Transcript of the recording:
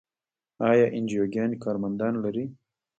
آیا انجیوګانې کارمندان لري؟